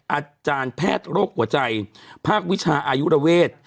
อาจารย์แพทย์โรคหัวใจภาควิชาอายุระเวท